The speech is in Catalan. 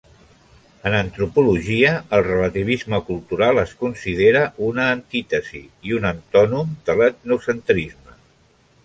En antropologia, el relativisme cultural es considera una antítesi i un antònom de l"etnocentrisme.